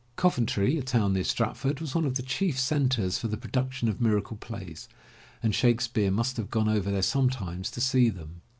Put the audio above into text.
Coventry, a town near Stratford, was one of the chief centers for the production of miracle plays and Shakespeare must have gone over there sometimes to see them.